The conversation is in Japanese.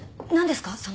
何ですか？